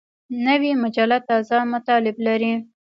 نوې مجله تازه مطالب لري